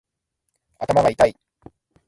頭がいたい